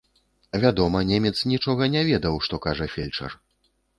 Вядома, немец нічога не ведаў, што кажа фельчар.